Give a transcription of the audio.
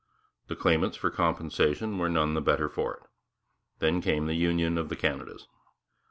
The claimants for compensation were none the better for it. Then came the union of the Canadas.